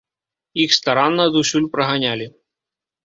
Іх старанна адусюль праганялі.